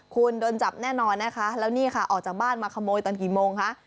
คุณโดนจับแน่นอนนะคะแล้วนี่ค่ะออกจากบ้านมาขโมยตอนกี่โมงคะ